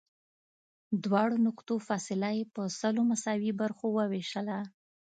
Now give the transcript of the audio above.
دواړو نقطو فاصله یې په سلو مساوي برخو ووېشله.